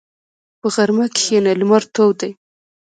په غرمه کښېنه، لمر تود دی.